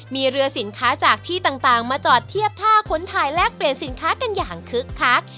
มีเรือสินค้าจากที่ต่างมาจอดเทียบท่าค้นถ่ายแลกเปลี่ยนสินค้ากันอย่างคึกคัก